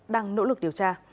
đang nỗ lực điều tra